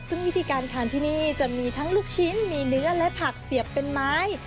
ซึ่งวิธีการทานที่นี่จะมีทั้งลูกชิ้นมีเนื้อและผักเสียบเป็นไม้